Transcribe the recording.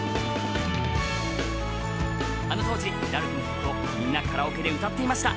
あの当時、ラルクの曲をみんなカラオケで歌っていました。